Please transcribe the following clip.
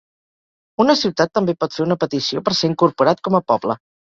Una ciutat també pot fer una petició per ser incorporat com a poble.